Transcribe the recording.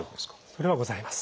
それはございます。